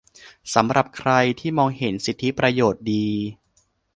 สำหรับใครที่มองเห็นสิทธิประโยชน์ดี